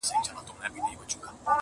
هره خوا ګورم تیارې دي چي ښکارېږي٫